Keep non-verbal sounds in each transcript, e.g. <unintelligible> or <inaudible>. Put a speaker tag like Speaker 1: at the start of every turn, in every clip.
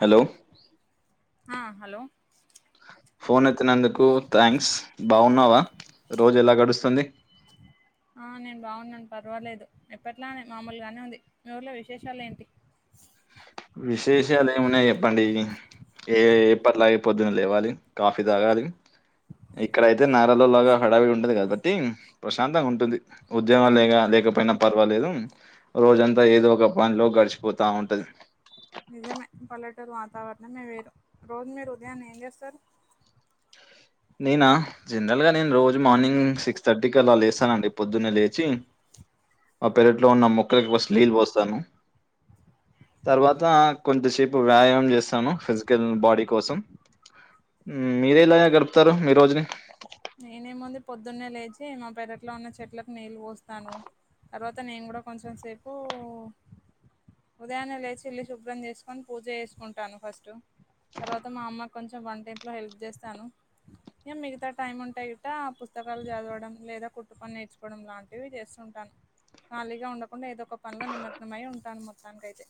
Speaker 1: Hello
Speaker 2: ఆ hello
Speaker 1: phone ఎత్తినందుకు thanks బావున్నావా రోజు ఎలా గడుస్తుంది
Speaker 2: ఆ నేను బాగున్నాను పర్వాలేదు ఎప్పట్లానే మామూలుగానే ఉంది మీ ఊర్లో విశేషాలు ఏంటి
Speaker 1: విశేషాలు ఏమున్నాయి ఎప్పండి ఏ ఎప్పట్లాగే పోద్దున లేవాలి కాఫీ తాగాలి ఇక్కడయితే నారల్లో లాగా హడావిడి ఉండది కాబట్టి ప్రశాంతంగా ఉంటుంది ఉద్యమాలు లేగా లే లేకపోయినా పర్వాలేదు రోజంతా ఏదో ఒక పాయింట్ లో గడిచిపోతా ఉంటది
Speaker 2: నిజమే పల్లెటూరు వాతావరణం మే వేరు రోజు మీరు ఉదయాన్నే ఏం చేస్తారు
Speaker 1: నేనా జనరల్ గా నేను రోజు మార్నింగ్ సిక్స్ థర్టీకి అలా లేస్తానండి పొద్దున్నే లేచి ఆ పెరట్లో ఉన్న మొక్కలకి ఫస్ట్ నీళ్లు పోస్తాను తర్వాత కొంచంసేపు వ్యాయామం చేస్తాను ఫిజికల్ బాడీ కోసం మీరేలాగా గడుపుతారు మీ రోజుని
Speaker 2: నేనేముంది పొద్దున్నే లేచి మా పెరట్లో ఉన్న చెట్లకు నీళ్ళు పోస్తాను తర్వాత నేను కూడా కొంచెం సేపు ఉదయాన్నే లేచి ఇల్లి శుభ్రం చేసుకొని పూజ చేసుకుంటాను ఫస్ట్ తర్వాత మా అమ్మ కొంచెం వంటి ఇంట్లో హెల్ప్ చేస్తాను ఇగ మిగతా టైమ్ ఉంటాయి గట్ట పుస్తకాలు చదవడం లేదా కుట్టు పని నేర్చుకోవడం లాంటివి చేస్తుంటాను ఖాళీగా ఉండకుండా ఏదో ఒక పనిలో నిమగ్నంమై ఉంటాను మొత్తానికైతే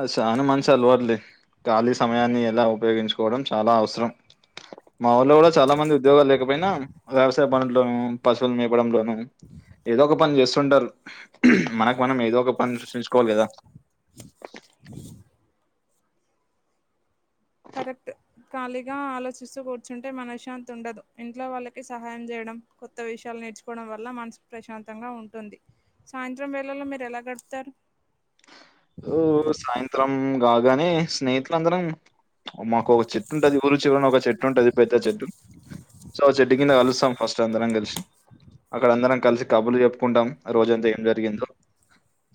Speaker 1: ఆ షాన మంచి అలవాట్లే ఖాలీ సమయాన్ని ఎలా ఉపయోగించుకోవడం చాలా అవసరం మా ఊళ్ళో కూడా చాలా మంది ఉద్యోగాలు లేకపోయినా వ్యవస్ తేపనులోను పశువులు మేపడంలోను ఏదో ఒక పని చేస్తుంటరు మనకు మనం ఏదో ఒక పని సృష్టించుకోవాలి కదా
Speaker 2: కరెక్ట్ ఖాళీగా ఆలోచిస్తూ కూర్చుంటే మనశ్శాంతి ఉండదు ఇంట్లో వాళ్ళకి సహాయం చేయడ్ దం కొత్త విషయాలు నేర్చుకోవడం వల్ల మనసు ప్రశాంతంగా ఉంటుంది సాయంత్రం వేళలో మీరు ఎలా గడుపుతారు
Speaker 1: ఓ సాయంత్రం కాగానే స్నేహితుల అందరం మాకు ఒక చెట్టు ఉంటుది ఊరుచివరన ఒక చెట్టు ఉంటుది పెద్ద చెట్టు సో చెట్టు కింద కలుస్తాం ఫస్ట్ అందరం కలిసి అక్కడ అందరం కలిసి కబులు చెప్పుకుంటాం ఆ రోజంతా ఏం జరిగిందో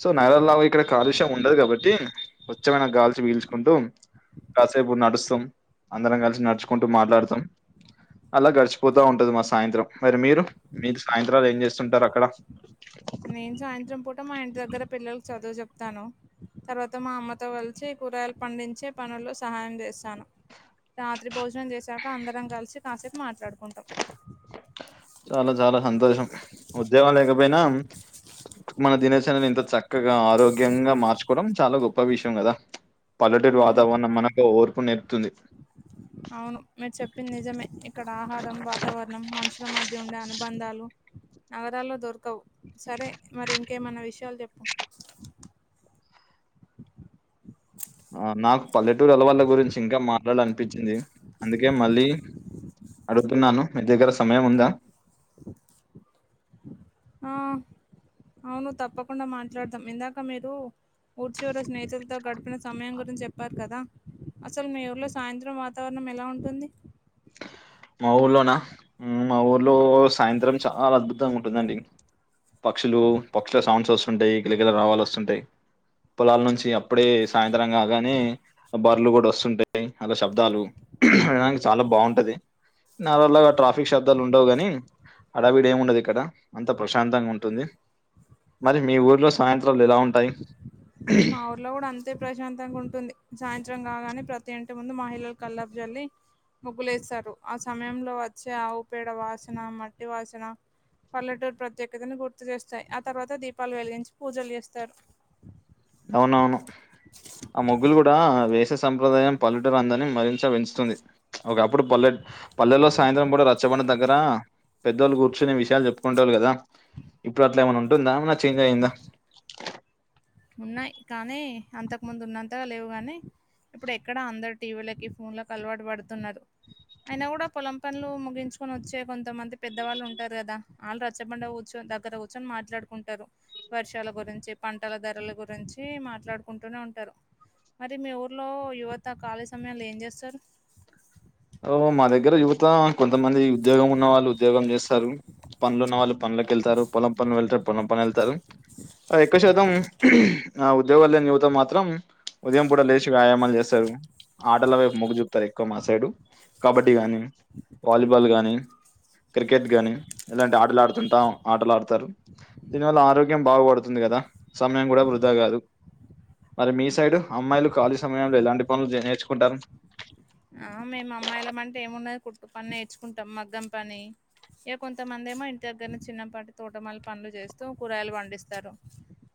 Speaker 1: సో నైరాలావు ఇక్కడ కాలుష్యం ఉండదు కాబట్టి స్చ్ఛమైన గాల్చి వీల్చుకుంటూ కాసేపు నడుస్తాం అందరం కలిసి నడుచుకుంటూ మాట్లాడుతాం అలా గడిచిపోతా ఉంటది మా సాయంత్రం మరి మీరు మీది సాయంత్రాలు ఏం చేస్తుంటారు అక్కడ
Speaker 2: నేను సాయంత్రం పూట మా ఇంటి దగ్గర పిల్లలలకు చదువు చెప్తాను తర్వాత మా అమ్మతో కలిసి కూరగాయలు పండించే పనుల్లో సహాయం చేస్తాను రాత్రి భోజనం చేసాక అందరం కలిసి కాసేపు మాట్లాడుం
Speaker 1: చాలా చాలా సంతోషం ఉద్యోగం లేకపోయినా మన దినచర్యని ఇంత చక్కగా ఆరోగ్యంగా మార్చుకోవడం చాలా గొప్ప విషయం కదా పల్లెటరు
Speaker 2: అవును
Speaker 1: వాతావరణం మనకు ఓర్పు నేపుతుంది
Speaker 2: అవును మీరు చెప్పింది నిజమే ఇక్కడ ఆహారం వాతావరణం మనుషు త మధ్య ఉండే అనుబంధాలు నగరాల్లో దొరకవు సరే మరి కే ఏమన్నా విషయాలు చెప్పు
Speaker 1: ఆ నాకు పల్లెటూరు అలవాళ్ళ గురించి ఇంకా మాట్లాడ అనిపించింది అందుకే మళ్ళీ అడుగుతున్నాను మీ దగ్గర సమయం ఉందా
Speaker 2: ఆ అవును తప్పకుండా మాట్లాడతాం ఇందాక మీరు ఊడ్చూర స్నేహితులతో గడిపిన సమయం గురించి చెప్పారు కదా అసలు మీ ఊర్లో సాయంత్రం వాతావరణం ఎలా ఉంటుంది
Speaker 1: మా ఊర్లోనా మా ఊర్లో సాయంత్రం చాలా అద్భుతంగా ఉంటుందండి పక్షులు పక్షుల సౌండ్స్ వస్తుంటాయి గిలగిల రావాల వస్తుంటాయి పొలాల నుంచి అప్పుడే సాయంత్రం కాగానే బర్లు కూడా వస్తుంటాయి అలా శబ్దాలు అనికి చాలా బాగుంటది నార్మల్ గా ట్రాఫిక్ శబ్దాలు ఉండవు గాని అడవిడ ఏమి ఉండదు ఇక్కడ అంత ప్రశాంతంగా ఉంటుంది మరి మీ ఊర్లో సాయంత్రాలు ఎలా ఉంటాయి
Speaker 2: మా ఊర్లో కూడా అంత అతే ప్రశాంతంగా ఉంటుంది సాయంత్రం కాగానే ప్రతి ఇంటి ముందు మహిళల కల్లపు జల్లి ముగ్గులేస్తారు ఆ సమయంలో వచ్చే ఆవు పేడ వాసన మట్టి వాసన పల్లెటూరు ప్రత్యేకతను గుర్తు చేస్తాయి ఆ తర్వాత దీపాలు వెలిగించి పూజలు చేస్తారు
Speaker 1: అవునవును ఆ ముగ్గులు కూడా వేస సంప్రదాయం పల్లెట అంధాన్ని మరింత పెంచుతుంది ఒకప్పుడు పల్లె పల్లెల్లో సాయంత్రం కూడా రచ్చబడి దగ్గర పెద్దవాళ్ళు కూర్చునే విషయాలు చెప్పుకుంటే వాళ్ళు కదా ఇప్పుడు అట్లా ఏమైన్నా ఉంటుందా ఏమన్నా చేంజ్ అయ్యిందా
Speaker 2: ఉన్నాయి కానీ అంతకు ముందు ఉన్నంతగా లేవు కాని ఇప్పుడు ఎక్కడా అందరుూ టీవీలకి ఫోన్లోకి అలవాటు పడుతున్నారు అయినా కూడా పొలం పనులు ముగించుకొని వచ్చే కొంతమంది పెద్దవాళ్ళు ఉంటారు కదా వాళ్ళు రచ్చబండవచ్చు దగ్గర కూచ్చొని మాట్లాడుకుంటారు వర్షాల గురించి పంటల దగ ఇల గురించి మాట్లాడుకుంటూనే ఉంటారు మరి మీ ఊర్లో యువత ఖాళీ సమయాంలో ఏం చేస్తారు
Speaker 1: ఓ మా దగ్గర యువత కొంతమంది ఉద్యోగం ఉన్న వాళ్ళు ఉద్యోగం చేస్తారు పనులు ఉన్న వాళ్ళు పనుకి వెళ్తారు పొలం పనులు వెళ్తారు పొలం పను వెళ్తారు ఎక్క్క శాతం ఆ ఉద్యోగ యువత మాత్రం ఉదయం పూ లేచి వ్యాయామాలు చేస్తారు ఆటల వైపు మగ్గు చూపుతారు ఎక్కువ మా సైడు కబడ్డీ గాని వాలీబాల్ గానీ క్రికెట్ గాని ఇలాంటి ఆటలు ఆడుతుంటా ఆటలు ఆడతారు దీని వల్ల ఆరోగ్యం బాగు పడుతుంది కదా సమయం కూడా వృధా కాదు మరి మీ సైడు అమ్మాయిలు ఖాళీ సమయంలో ఎలాంటి పనులు నేర్చుకుంటారు
Speaker 2: ఆ మేము అమ్మాయిల అంటే ఏముండదు కుట్టు పని నేర్చుకుంటాం మగ్గం పని ఇక కొంతమంది ఏమో ఇంటి దగ్గర చిన్నపాటి తోటమాల పనులు చేస్తూ కూరయలు పండిస్తారు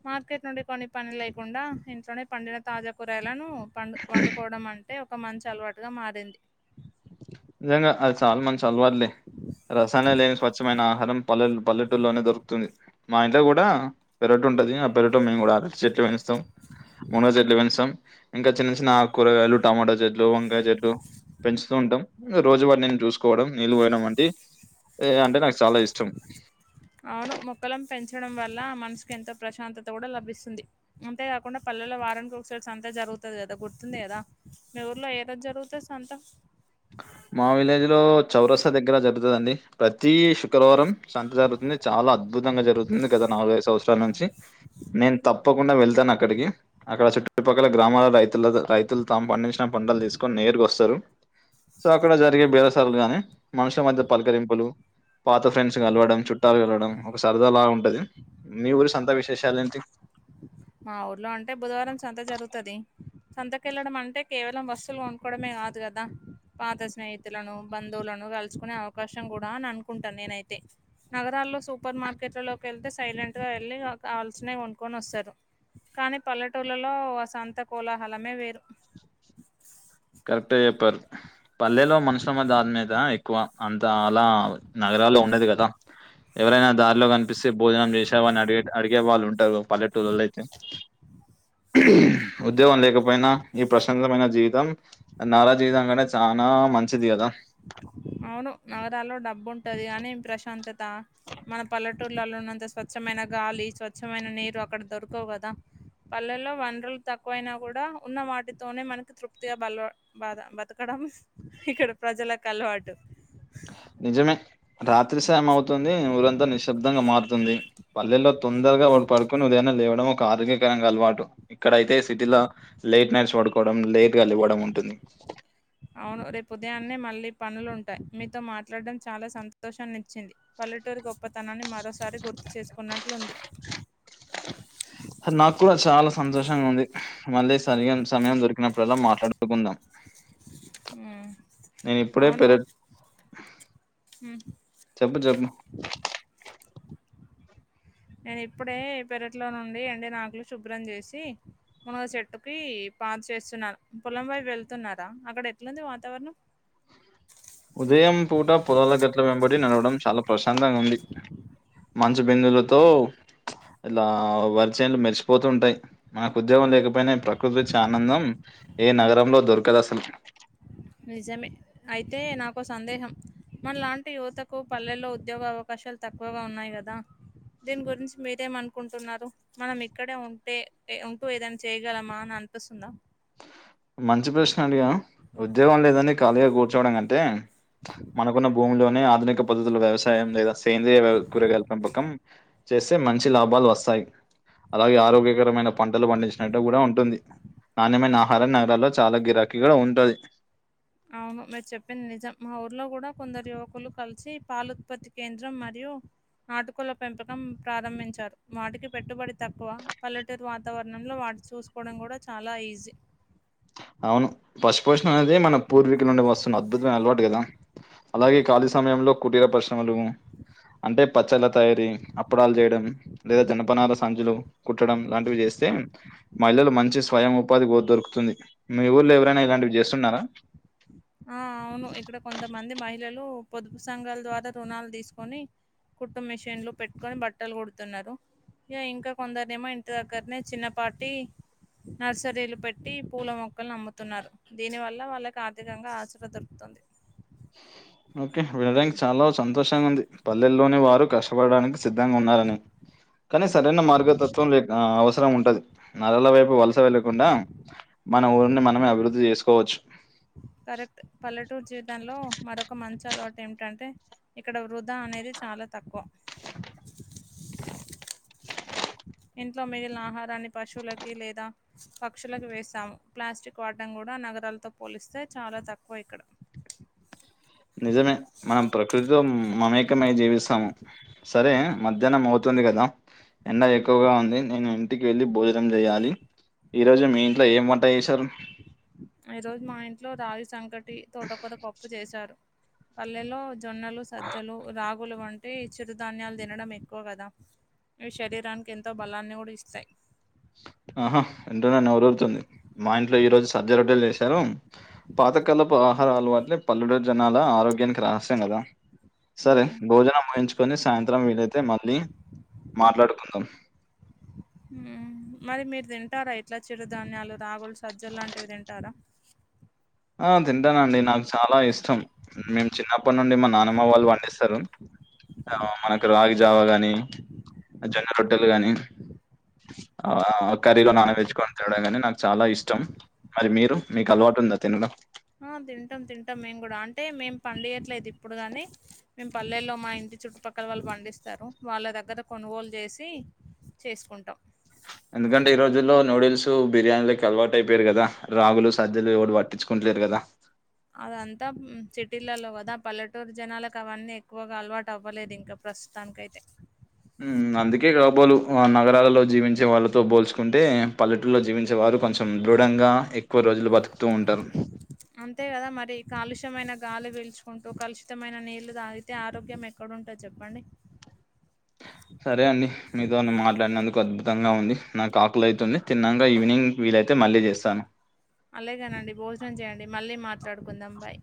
Speaker 2: మార్కెట్ నుండి కొన్ని పని లేకుండా ఇంట్లోనే పండిన తాజా కూరయలను పండు వండుకోవడం అంటే ఒక మంచి అలవాటుగా మారింది
Speaker 1: నిజంగా అది చాలా మంచి చ అలవాటులే రసాయనాలు ఏమి స్వచ్ఛమైన ఆహారం పల్లె పల్లెటూలోనే దొరుకుతుంది మా ఇంట్లో కూడా పెరట ఉంటది ఆ పెరట మేము కూడా అడ చెట్ మనస్తం మూనో చెట్లు పెంచసాం ఇంకా చిన్న చిన్న ఆకు కూరగాయలు టమాటా చెట్లు వంకాయ చెట్లు పెంచుతూ ఉంటాం రోజువార నేను చూసుకోవడం నీళ్ళు పోయడం వంటి అంటే నాకు చాలా ఇష్టం
Speaker 2: అవును మొక్కలలను పెంచడం వల్ల ఆ మనసుకు ఎంతో ప్రశాంతత కూడా లభిస్తుంది అంతేకాకుండా ప పలలో వారన్ సంతజరుగుతుంది కదా గుర్తుంది కదా మీ ఊర్లో ఏద జరుగుతుంది సొంతా
Speaker 1: మా విలేజ్‌లో చౌరస్తా దగ్గర జరుగుతదండి. ప్రతి శుక్రవారం సంత జరుగుతుంది చాలా అద్భుతంగా జరుగుతుంది గత నాలుగై సంవత్సరాల నుంచి నేను తప్పకుడా కుండా వెళ్తాను అక్కడికి అక్కడ చుట్టుపక్కల గ్రామాల రైతుల రైతులు తము పండించిన పండలు తీసుకొని నేరు వస్తారు సో అక్కడ జరిగే బేలసార్లు గాని మనుషుల మధ్య పలకరింపులు పాత ఫ్రెండ్స్ కలవడం చుట్టాలు కలడం ఒక సరదాలా ఉంటది మీ ఊరు సొంత విశేషాల నుంచి <unintelligible>
Speaker 2: మా ఊర్లో అంటే బుధవారం సంత జరుగుతది. సంతకెళ్లడం అంటే కేవలం వస్తువుల్ కొనుక్కోవడమే కాదు గదా. పాత స్నేహితులనూ, బంధువులనూ కల్సుకునే అవకాశం గూడా అని అనుకుంటా నేనైతే. నగరాల్లో సూపర్ మార్కెట్లలోకి ఎళ్తే సైలెంట్ గా ఎళ్ళి కావలసినవి కొనుక్కోని వస్తరు. కానీ పల్లెటూళ్లలో ఆ సంత కోలాహలమే వేరు.
Speaker 1: కరెక్టే చెప్పారు. పల్లెలో మనుషులమ దాని మీద ఎక్కువా అంతా అలా నగరాల్లో ఉండది గదా. ఎవరైనా దారిలో కన్ పిస్తే భోజనం చేశావా అని అడిగేట్ అడిగే వాళ్ళు ఉంటరు పల్లెటూళ్లలో అయితే. ఉద్యోగం లేకపోయినా ఈ ప్రశాంతమైన జీవితం. ఆ నగర్ జీవితం కంటే చానా మంచిది గదా.
Speaker 2: అవును నగరాల్లో డబ్బు ఉంటది గానీ ప్రశాంతతా మన పల్లెటూర్లలో ఉన్నంత స్వచ్ఛమైన గాలి, స్వచ్ఛమైన నీరు అక్కడ దొరకవు గదా. పల్లెల్లో వన్రుల్ తక్కువయినా గూడా ఉన్న వాటితోనే మనకి తృప్తిగా బల్వా బాదా బతకడ్ డం ఇక్కడ ప్రజలక్ అలవాటు.
Speaker 1: నిజమే రాత్రి సాయం అవుతుందీ. ఊరంతా నిశ్శబ్దంగా మారుతుంది. పల్లెలో తొందరగా వాళ్ పడుకొని ఉదయమే లేవడం ఒక ఆరోగ్యకరంగా అలవాటు. ఇక్కడైయితే సిటీలో లేట్ నైట్స్ పడుకోవడం, లేట్గాలెవ్వడం ఉంటుంది.
Speaker 2: అవును రేపు ఉదయాన్నే మళ్ళీ పనులుంటాయి. మీతో మాట్లాడటడం చాలా సంతోషాన్నిచ్చింది. పల్లెటూరు గొప్పతనాన్ని మరోసారి గుర్తు చేసుకున్నట్లుంది.
Speaker 1: నాకు కూడా చాలా సంతోషంగా ఉంది తడుపుకుందాం.
Speaker 2: ఉమ్.
Speaker 1: నేను ఇప్పుడే
Speaker 2: అవును
Speaker 1: పెరట్
Speaker 2: ఉమ్.
Speaker 1: చెప్పు చెప్పు
Speaker 2: నేను ఇప్పుడే పెరట్లో నుండీ ఎండిన ఆకులు శుభ్రం చేసీ. మునగ చెట్టుకీ పాంచు ఏస్తున్నాను. పొలంవైపు వెళ్తున్నారా అక్కడ ఎట్లుంది వాతావరణం.
Speaker 1: అ ఉదయం పూట పొలాల గట్ల వెంబడి నడవడం చాలా ప్రశాంతంగ ఉంది. మంచు బిందువులతో ఇలా వరిచేనులు మెరిసిపోతూంటాయి. మనకు ఉద్యోగం లేకపోయిన ప్రకృతి ఇచ్చే ఆనందం. ఏ నగరంలో దొర్కదసలు.
Speaker 2: నిజమే. అయితే నాకో సందేహం. మన లాంటి యువతకు పల్లెల్లో ఉద్యోగ అవకాశాల్ తక్కువగా ఉన్నాయి గదా. దీని గురించి మీరేమనుకుంటున్నారు. మనం ఇక్కడే ఉంటే ఉంటూ ఏదైనా చేయగలమా అ అనిపిస్తుందా.
Speaker 1: మంచి ప్రశ్న అడిగావ్. ఉద్యోగం లేదని ఖాళీగా కూర్చోవడం కంటే. మనకున్న భూమిలోనే ఆధునిక పద్ధతులు వ్యవసాయం లేదా సేంద్రీయ కూరగాయల్ పెంపకం. చేస్తే మంచి లాభాలు వస్తాయి. అలాగే ఆరోగ్యకరమైన పంటలు పండించినట్టు గూడా ఉంటుంది. నాణ్యమైన ఆహ్ హారం నగరాల్లో చాలా గిరాకీగా ఉంటది.
Speaker 2: అవును మీరు చెప్పింది నిజం. మా ఊర్లో గూడా కొందరు యువకులు కల్సీ పాల ఉత్పత్తి కేంద్రం మరియు యు నాటుకోడ్ల పెంపకం ప్రారంభించారు. వాటికి పెట్టుబడి తక్కువా. పల్లెటూరు వాతావరణంలో వాట్ చూసుకోవడం గూడా చాలా ఈజీ.
Speaker 1: అవును పశుపోషణం అనేది మన పూర్వీకుల నుండి వస్తున్న అద్భుతమైన అలవాటు గదా. అలాగే ఖాళీ సమయంలో కుటీర ప్రశ్రమలూ. అంటే పచ్చళ్ళ తయారీ, అప్పుడాలు జేయడం, లేదా జనపనాల సంచులు కుట్టడం లాంటివి చేస్త్ స్తే మహిళలు మంచి స్వయం ఉపాధి కో దొరుకుతుంది. మీ ఊళ్ళో ఎవరైనా ఇలాంటివి చేస్తున్నారా.
Speaker 2: ఆ అవును ఇక్కడ కొంతమంది మహిళలూ పొదుపు సంఘాల ద్వారా రుణాలు తీసుకొని కుట్టు మిషిన్లు పెట్టుకొని బట్టలు కుడుతున్నారు. ఇగా ఇంకా కొందర్నేమో ఇంటి దగ్గర్నే చిన్నపాటీ నర్సరీలు పెట్టి పూల మొక్కలు అమ్ముతున్నారు దీని వల్ల వాళ్ళకి అధికంగా ఆచర దొరుకుతుంది
Speaker 1: ఓకే వినడానికి చాలా సంతోషంగా ఉంది పల్లెల్లోనే వారు కష్టపడడానికి సిద్ధంగా ఉన్నారని కానీ సరైన మార్గతత్వం అవసరం ఉంటది నరల వైపు వలస వ లేకుండా మన ఊరిని మనమే అభివృద్ధి చేసుకోవచ్చు
Speaker 2: కరెక్ట్ పల్లెటూరు జీవిత దానిలో మరొక మంచి అలవాటు ఏమిటంటే ఇక్కడ వృధా అనేది చాలా తక్కువ ఇంట్లో మిగిలిన ఆహారాన్ని పశువులకి లేదా పక్షులకు వేస్తాము ప్లాస్టిక్ వాడడం కూడా ఇక నగరాలతో పోలిస్తే చాలా తక్కువ ఇక్కడ
Speaker 1: నిజమే మనం ప్రకృతితో మమేకమై జీవిస్తాము సరే మధ్యాహ్నం అవుతు ఇబ్బంది కదా ఎండ ఎక్కువగా ఉంది నేను ఇంటికి వెళ్ళి భోజనం చేయాలి ఈ రోజు మీ ఇంట్లో ఏం వంట చేసారు
Speaker 2: ఈ రోజు మా ఇంట్లో రాగి సంకటి తోటకూర పప్పు చేశారు పల్లెలో జొన్నలు సజ్జలు రాగులు వంటే చిరుధాన్యాలు తినడం ఎక్కువ కదా ఇవి శరీరానికి ఎంతో బలాన్ని కూడా ఇస్తాయి
Speaker 1: ఆహా వింటుటే నేరురుతుంది మా ఇంట్లో ఈ రోజు సజ్జ రొట్టెలు చేశారు పాతకాలపు ఆహారాల అలవాటు లే పల్లెటూరు జనాల ఆరోగ్యానికి రహస్యం కదా సరే
Speaker 2: మ్మ్.
Speaker 1: భోజనం ముహించు చుకొని సాయంత్రం వీలైతే మళ్ళీ మాట్లాడుకుందాం
Speaker 2: హమ్ మరి మీరు తింటారా ఇట్లా చిరు ధాన్యాలు రాగులు సజ్జలు లాంటివి తింటారా
Speaker 1: ఆ తింటానండి నాకు చాలా ఇష్టం మేము చిన్నప్పటి నుండి మా నానమ్మ వాళ్ళు పండిస్తారు ఆ మనకు రాగిజావా గాని జొన్న రొట్టెలు గాని ఆ కర్రీలో నానబెట్టు కొని తినడామే కాని నాకు చాలా ఇష్టం మరి మీరు మీకు అలవాటు ఉందా తినడం
Speaker 2: ఆ తింటాం తింటాం మేము కూడా అంటే మేం పండియట్లేదు ఇప్పుడు కాని మేము పల్లెల్లో మా ఇంటి చుట్టుపక్కల వాళ్ళు పండిస్తారు వాళ్ళ దగ్గర కొనుగోలు చేసి చేసుకుంటాం
Speaker 1: ఎందుకంటే ఈ రోజుల్లో నూడిల్స్ బిర్యానీలకి అలవాటు అయిపోయారు కదా రాగులు సజ్జలు ఎవడు పట్టించుకుంటలేరు కదా దా
Speaker 2: అదంతా సిటీలలో కదా పల్లెటూరు జనాలకు అవన్నీ ఎక్కువగా అలవాటు అవ్వలేదు ఇంకప్పుడు ప్రస్తుతానికి అయితే
Speaker 1: ఉమ్ అందుకే కాబోలు నగరాలలో జీవించే వాళ్ళతో పోల్చుకుంటే పల్లెటలో జీవించే వాళ్ళు కొంచెం దృఢంగా ఎక్కువ రోజులు బతుకు
Speaker 2: అంతే కదా మరి కాలుష్య కలుమైన గాలి పీల్చుకుంటూ కలుషితమైన నీళ్లు తాగితే ఆరోగ్యం ఎక్కడుంటది చెప్పండి
Speaker 1: సరే అండి మీతో మాట్లాడినందుకు అద్భు తంగా ఉంది నాకు ఆకలి అయితుంది తిన్నగా ఈవినింగ్ వీలైతే మళ్ళీ చేస్తాను
Speaker 2: అలాగానండి భోజనం చేయండి మళ్ళీ మాట్లాడుకుందాం బాయ్